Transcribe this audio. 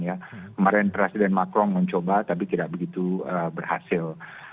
kemarin presiden macron mencoba tapi tidak begitu berhasil